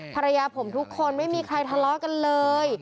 ภรรยาผมทุกคนไม่มีใครทะเลาะกันเลย